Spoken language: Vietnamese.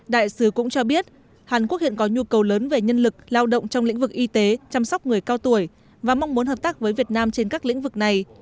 đại sứ cũng cho biết hàn quốc hiện có nhu cầu lớn về nhân lực lao động trong lĩnh vực y tế chăm sóc người cao tuổi và mong muốn hợp tác với việt nam trên các lĩnh vực này